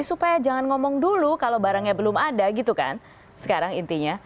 supaya jangan ngomong dulu kalau barangnya belum ada gitu kan sekarang intinya